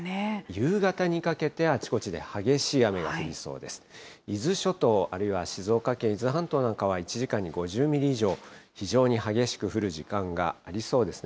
夕方にかけて、あちこちで激しい雨が降りそうです。